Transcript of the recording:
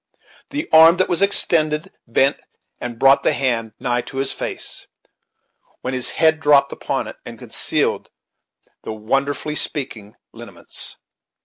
The arm that was extended bent and brought the hand nigh to his face, when his head dropped upon it, and concealed the wonderfully speaking lineaments.